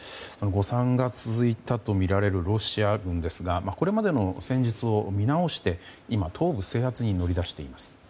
誤算が続いたとみられるロシア軍ですがこれまでの戦術を見直して今、東部制圧に乗り出しています。